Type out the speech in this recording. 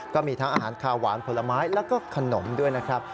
ก็มีทั้งอาหารคาหวานผลไม้แล้วก็ขนมด้วยนะครับ